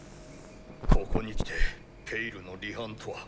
ピッここにきて「ペイル」の離反とは。